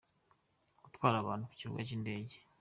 Gutwara abantu ku kibuga cy’indege.